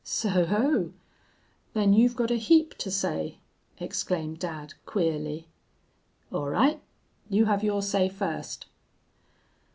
"'So ho! Then you've got a heap to say?' exclaimed dad, queerly. 'All right, you have your say first.'